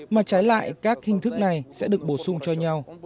mà trái lại các hình thức này sẽ được bổ sung cho nhau